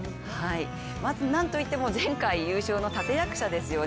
まずなんといっても前回優勝の立て役者ですよね。